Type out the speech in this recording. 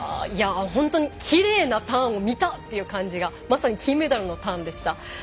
本当にきれいなターンを見たという感じがまさに金メダルのターンでした。